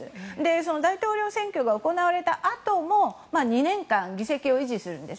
その大統領選挙が行われたあとも２年間、議席を維持するんです。